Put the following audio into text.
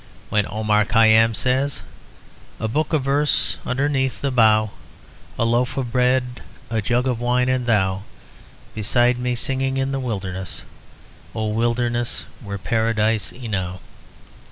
When Omar Khayyam says: "A book of verses underneath the bough, A loaf of bread, a jug of wine, and thou Beside me singing in the wilderness O wilderness were Paradise enow."